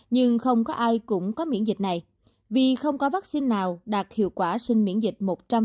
nhưng không có ai cũng có miễn dịch này vì không có vaccine nào đạt hiệu quả sinh miễn dịch một trăm linh